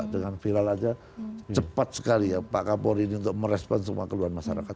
dengan viral saja cepat sekali ya pak kapolini untuk merespons semua keluhan masyarakat